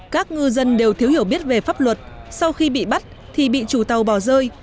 các ngư dân đều thiếu hiểu biết về pháp luật sau khi bị bắt thì bị chủ tàu bỏ rơi